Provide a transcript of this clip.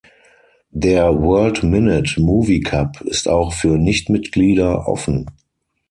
Der World Minute Movie Cup ist auch für Nichtmitglieder offen.